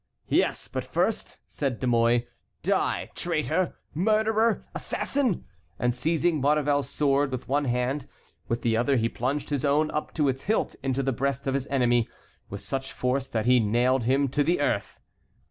"Yes, but first," said De Mouy, "die, traitor, murderer, assassin!" and seizing Maurevel's sword with one hand, with the other he plunged his own up to its hilt into the breast of his enemy, with such force that he nailed him to the earth.